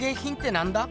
なんだ？